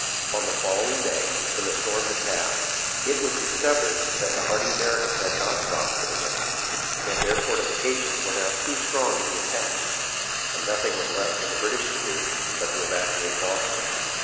On the following day, when the storm had passed, it was discovered that the hardy Americans had not stopped for the rain, and their fortifications were now too strong to be attacked, and nothing was left for the British to do but to evacuate Boston.